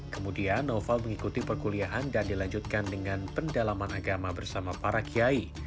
kemudian noval mengikuti perkuliahan dan dilanjutkan dengan pendalaman agama bersama para kiai